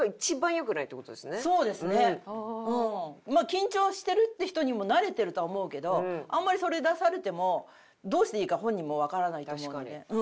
緊張してるって人にも慣れてるとは思うけどあんまりそれ出されてもどうしていいか本人もわからないと思うんで。